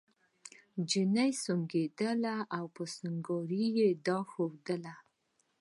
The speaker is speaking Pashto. چیني سونګېده او په سونګاري یې دا ښودله.